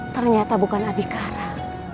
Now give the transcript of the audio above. ternyata bukan abikara